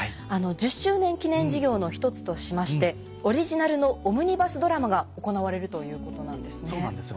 １０周年記念事業の一つとしましてオリジナルのオムニバスドラマが行われるということなんですね。